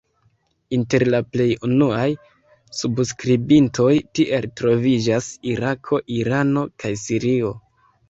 Inter la plej unuaj subskribintoj tiel troviĝas Irako, Irano kaj Sirio.